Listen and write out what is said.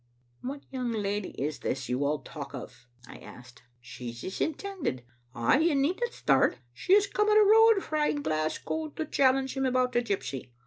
"" What young lady is this you all talk of?" I asked. "She's his intended. Ay, you needna start. She has come a' the road frae Glasgow to challenge him about the gypsy.